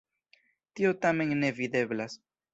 Tio tamen ne videblas.